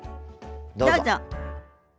どうぞ。